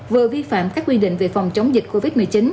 vừa vi phạm các quy định về phòng chống dịch covid một mươi chín